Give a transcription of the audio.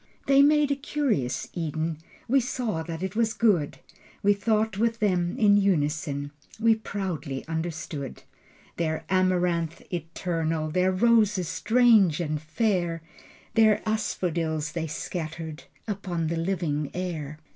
They made a curious Eden. We saw that it was good. We thought with them in unison. We proudly understood Their amaranth eternal, Their roses strange and fair, The asphodels they scattered Upon the living air.